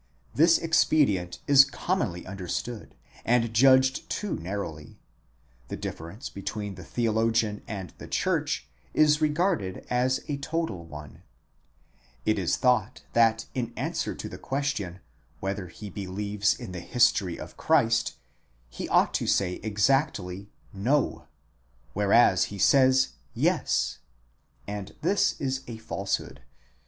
This expedient is commonly understood and judged too narrowly. The difference between the theologian and the church is regarded as a total one; it is thought, that in answer to the question, whether he believes in the history of Christ, he ought to say exactly, no; whereas he says, yes: and this is a falsehood.